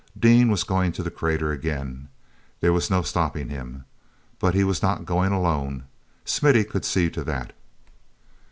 Dean was going to the crater again—there was no stopping him—but he was not going alone; Smithy could see to that.